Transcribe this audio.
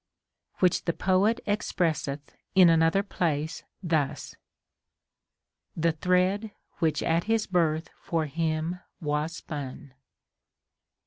* Which the poet expresseth in another place thus : The thread which at his birth for him was spun.